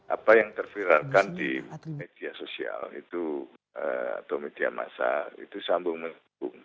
apa yang terviralkan di media sosial itu atau media massa itu sambung